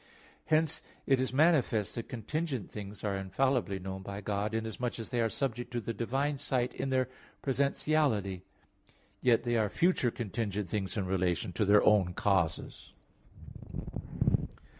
Hence it is manifest that contingent things are infallibly known by God, inasmuch as they are subject to the divine sight in their presentiality; yet they are future contingent things in relation to their own causes.